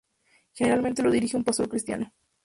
Generalmente lo dirige un pastor cristiano.